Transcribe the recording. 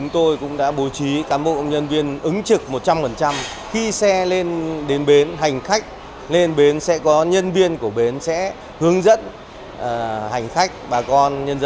theo dự báo